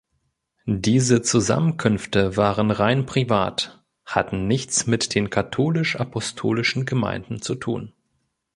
Diese Zusammenkünfte waren rein privat, hatten nichts mit den katholisch-apostolischen Gemeinden zu tun.